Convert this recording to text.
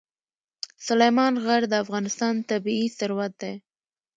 سلیمان غر د افغانستان طبعي ثروت دی.